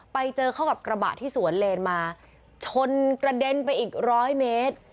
ไปเจอเข้ากับกระบะที่สวนเลนมาชนกระเด็นไปอีกร้อยเมตร